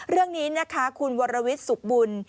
เรื่องนี้นะคะคุณวรวิทย์สุขบุญ